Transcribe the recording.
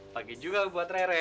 pagi juga buat rere